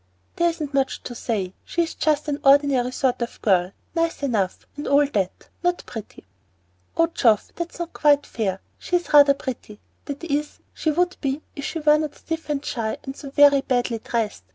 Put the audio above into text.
"There isn't much to say. She's just an ordinary sort of girl, nice enough and all that, not pretty." "Oh, Geoff, that's not quite fair. She's rather pretty, that is, she would be if she were not stiff and shy and so very badly dressed.